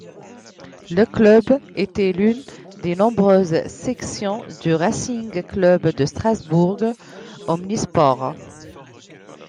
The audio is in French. Le club était l'une des nombreuses sections du Racing Club de Strasbourg omnisports.